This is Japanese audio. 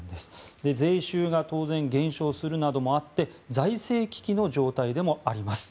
当然、税収が減収するなどもあって財政危機の状態でもあります。